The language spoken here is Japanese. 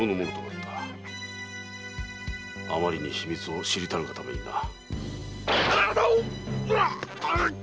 あまりにも秘密を知りたがるためにな。